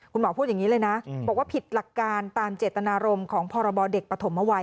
คุณหมอพูดอย่างนี้เลยนะบอกว่าผิดหลักการตามเจตนารมณ์ของพรบเด็กปฐมเอาไว้